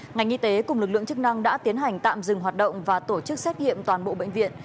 ngành y tế cùng lực lượng chức năng đã tiến hành tạm dừng hoạt động và tổ chức xét nghiệm toàn bộ bệnh viện